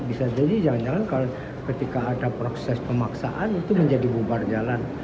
bisa jadi jangan jangan ketika ada proses pemaksaan itu menjadi bubar jalan